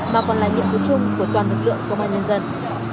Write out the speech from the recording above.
mà còn là nhiệm vụ chung của toàn lực lượng công an nhân dân